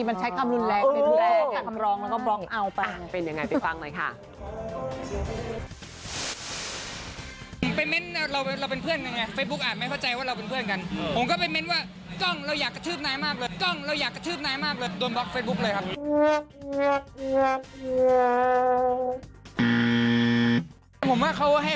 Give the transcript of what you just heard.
บางทีมันใช้คำรุนแรกคำรองแล้วก็บล็อกเอาไป